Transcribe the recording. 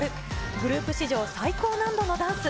グループ史上最高難度のダンス。